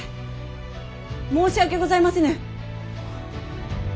申し訳ございませぬ！